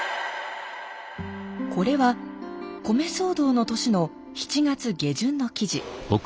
これは米騒動の年の７月下旬の記事。